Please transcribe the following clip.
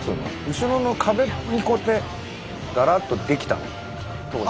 後ろの壁にこうやってだらっとできたの当時。